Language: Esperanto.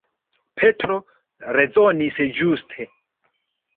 Petro rezonis ĝuste.